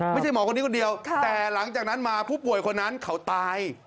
ไม่ใช่หมอคนนี้คนเดียวแต่หลังจากนั้นมาผู้ป่วยคนนั้นเขาตาย